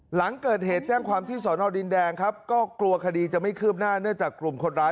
หลังเกิดเหตุแจ้งความที่สอนอดินแดงครับก็กลัวคดีจะไม่คืบหน้าเนื่องจากกลุ่มคนร้าย